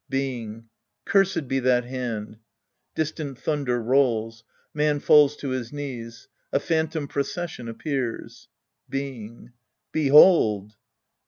Being. Cursed be that hand ! {Distant thunder rolls. Man falls to his knees. A phantom pro cession appears^ Being. Behold